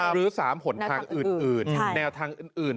หรือ๓หนทางอื่นแนวทางอื่น